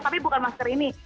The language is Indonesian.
tapi bukan masker ini